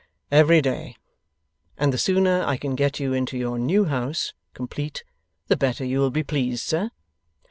'Every day. And the sooner I can get you into your new house, complete, the better you will be pleased, sir?